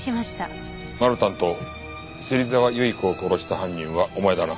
マルタンと芹沢結子を殺した犯人はお前だな。